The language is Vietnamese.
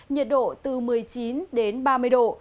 nhiệt độ từ một mươi chín đến ba mươi độ